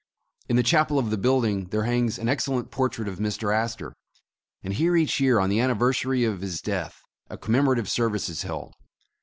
In the chapel of the building, there hangs an excellent portrait of Mr. Astor, and here each year on the anniversary of his death, a commemorative service is held.